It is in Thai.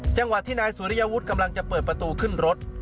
จังหวะที่นายสุริยวุฒิกำลังจะเปิดประตูขึ้นรถ